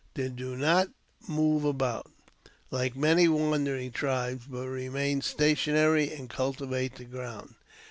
They do not move about, like many wandering tribes, but remain stationary and culti vate the ground.